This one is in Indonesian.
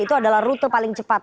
itu adalah rute paling cepat